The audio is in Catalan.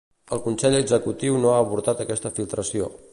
El Consell Executiu no ha abordat aquesta filtració.